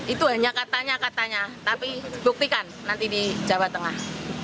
itu hanya katanya katanya tapi buktikan nanti di jawa tengah